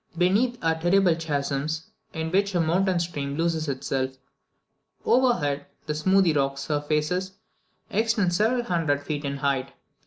Beneath are terrible chasms, in which a mountain stream loses itself; overhead, the smooth rocky surface extends several hundred feet in height.